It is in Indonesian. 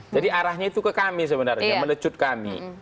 jadi arahnya itu ke kami sebenarnya melecut kami